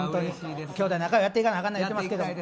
兄弟仲良くやっていかなあかんと思ってますけども。